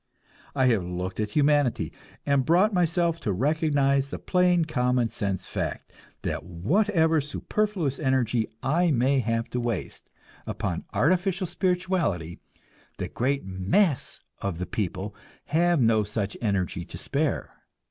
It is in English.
I have looked at humanity, and brought myself to recognize the plain common sense fact that whatever superfluous energy I may have to waste upon artificial spirituality, the great mass of the people have no such energy to spare.